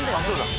そう。